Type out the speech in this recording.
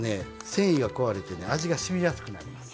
繊維が壊れてね味がしみやすくなります。